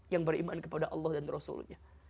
yang beriman kepada allah dan rasulnya